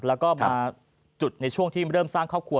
แล้วก็มาจุดในช่วงที่เริ่มสร้างครอบครัว